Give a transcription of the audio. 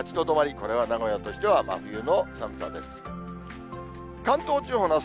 これは名古屋としては真冬の寒さです。